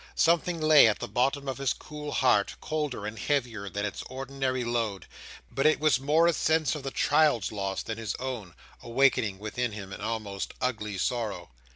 Something lay at the bottom of his cool heart, colder and heavier than its ordinary load; but it was more a sense of the child's loss than his own, awakening within him an almost angry sorrow.